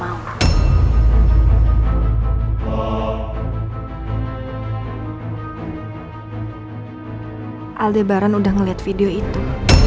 aldebaran udah ngeliat video itu